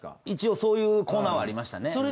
一応そういうコーナーはありましたね。